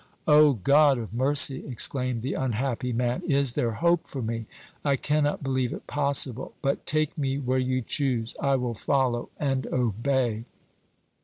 "O God of mercy!" exclaimed the unhappy man, "is there hope for me? I cannot believe it possible; but take me where you choose I will follow and obey."